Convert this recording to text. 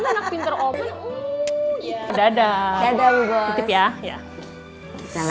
mana pinter open oh ya dadah dadah ya ya